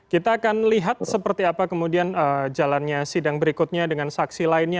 kita akan lihat seperti apa kemudian jalannya sidang berikutnya dengan saksi lainnya